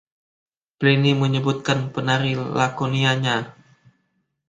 Pliny menyebutkan "Penari Laconia" -nya.